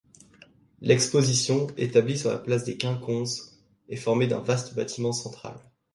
L'exposition, établie sur la place des Quinconces, est formée d'un vaste bâtiment central.